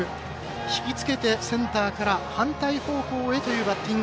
引きつけて、センターから反対方向へというバッティング。